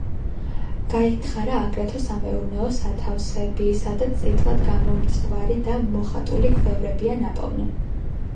გაითხარა აგრეთვე სამეურნეო სათავსები, სადაც წითლად გამომწვარი და მოხატული ქვევრებია ნაპოვნი.